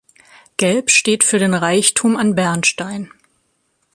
Gelb steht für den Reichtum an Bernstein.